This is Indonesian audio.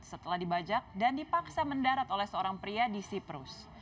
setelah dibajak dan dipaksa mendarat oleh seorang pria di siprus